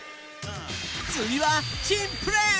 次は珍プレー。